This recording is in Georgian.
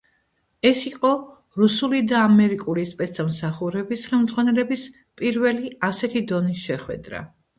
ეს იყო რუსული და ამერიკული სპეცსამსახურების ხელმძღვანელების პირველი ასეთი დონის შეხვედრა.